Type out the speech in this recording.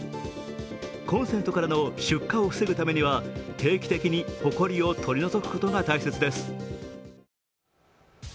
コンセントからの出火を防ぐためには、定期的にほこりを取り除くことが大切です。